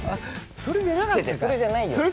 それじゃないのよ。